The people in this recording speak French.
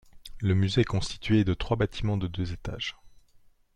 Le musée est constitué de trois bâtiments de deux étages.